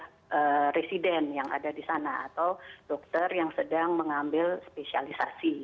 ada resident yang ada di sana atau dokter yang sedang mengambil spesialisasi